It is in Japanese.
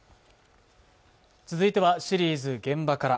続いてはシリーズ「現場から」。